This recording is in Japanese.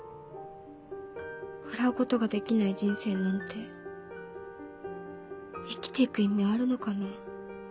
笑うことができない人生なんて生きていく意味あるのかな？